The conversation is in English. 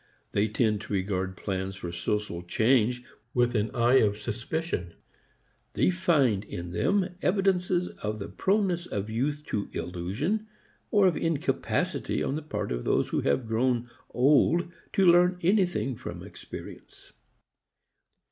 They tend to regard plans for social change with an eye of suspicion. They find in them evidences of the proneness of youth to illusion, or of incapacity on the part of those who have grown old to learn anything from experience.